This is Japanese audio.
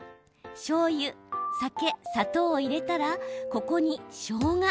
しょうゆ、酒、砂糖を入れたらここに、しょうが。